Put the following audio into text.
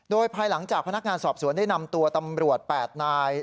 โดยภายหลังจากพนักงานสอบสวนได้นำตัวตำรวจ๘นาย